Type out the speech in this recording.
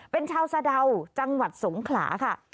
เป็นชาวสะดาวจังหวัดสงขลาค่ะ